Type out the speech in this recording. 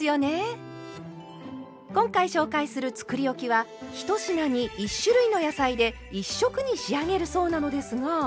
今回紹介するつくりおきは１品に１種類の野菜で１色に仕上げるそうなのですが。